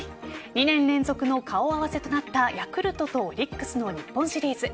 ２年連続の顔合わせとなったヤクルトとオリックスの日本シリーズ。